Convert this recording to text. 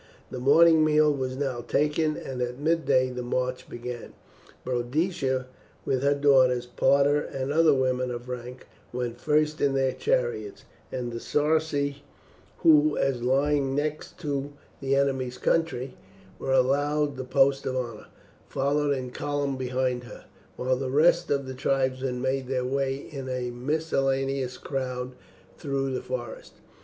The morning meal was now taken, and at midday the march began. Boadicea with her daughters, Parta and other women of rank, went first in their chariots; and the Sarci, who, as lying next to the enemy's country, were allowed the post of honour, followed in column behind her, while the rest of the tribesmen made their way in a miscellaneous crowd through the forest.